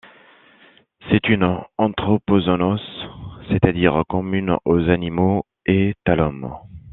C'est une anthropozoonose, c'est-à-dire commune aux animaux et à l'homme.